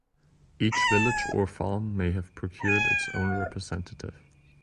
Each village or farm may have procured its own representative.